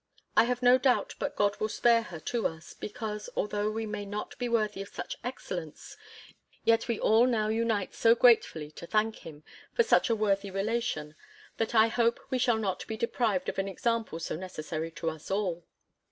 I have no doubt but God will spare her to us, because, although we may not be worthy of such excellence, yet we all now unite so gratefully to thank him, for such a worthy relation, that I hope we shall not be deprived of an example so necessary to us all.